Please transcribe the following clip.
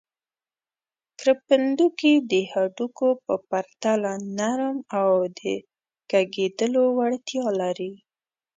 کرپندوکي د هډوکو په پرتله نرم او د کږېدلو وړتیا لري.